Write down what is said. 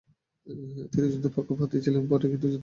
তিনি যুদ্ধের পক্ষপাতী ছিলেন বটে কিন্তু যুদ্ধে তার নেশা ছিল না।